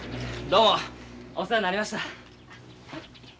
どうもお世話になりました。